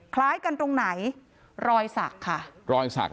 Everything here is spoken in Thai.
คล้ายกันตรงไหนรอยศักดิ์ค่ะ